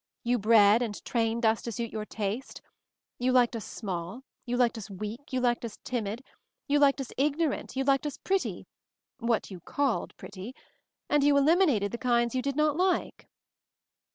You bred and trained us to suit your tastes; you liked us small, you liked us weak, you liked us timid, you liked us ignorant, you liked us pretty — what you called pretty — and you eliminated the kinds you did not like."